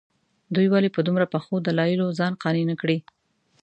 دوی ولې په دومره پخو دلایلو ځان قانع نه کړي.